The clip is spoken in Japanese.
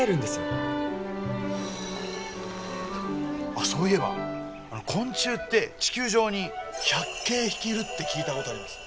あそういえば昆虫って地球上に１００京匹いるって聞いたことあります。